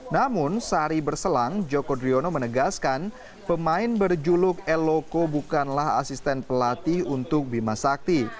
namun sehari berselang joko driono menegaskan pemain berjuluk el loco bukanlah asisten pelatih untuk bimasakti